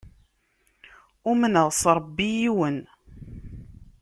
Umneɣ s Ṛebbi yiwen.